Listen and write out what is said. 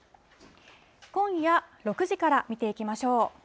今夜６時から見ていきましょう。